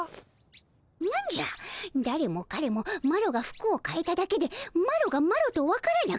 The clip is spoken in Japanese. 何じゃだれもかれもマロが服をかえただけでマロがマロと分からなくなるとは。